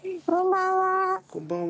こんばんは。